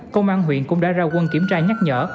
công an huyện cũng đã ra quân kiểm tra nhắc nhở